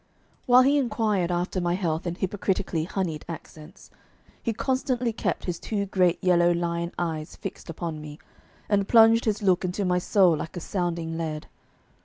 While he inquired after my health in hypocritically honeyed accents, he constantly kept his two great yellow lion eyes fixed upon me, and plunged his look into my soul like a sounding lead.